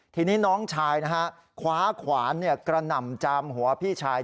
ทีนี้น้องชายนะฮะคว้าขวานกระหน่ำจามหัวพี่ชาย